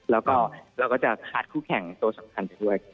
แล้วก็จะขาดคู่แข่งโตสำคัญด้วย